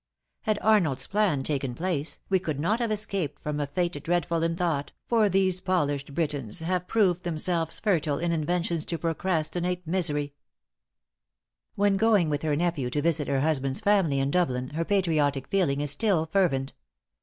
Had Arnold's plan taken place, we could not have escaped from a fate dreadful in thought, for these polished Britons have proved themselves fertile in inventions to procrastinate [protract] misery." When going with her nephew to visit her husband's family in Dublin, her patriotic feeling is still fervent.